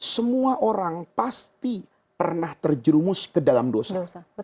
semua orang pasti pernah terjerumus ke dalam dosa